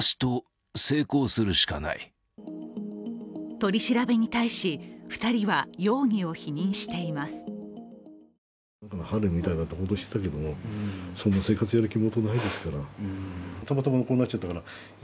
取り調べに対し、２人は容疑を否認しています。